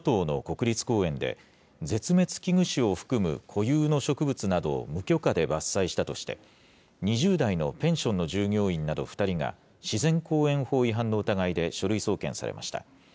固有の植物などを無許可で伐採したとして、２０代のペンションの従業員など２人が、自然公園法違反の疑いで書類送検されました。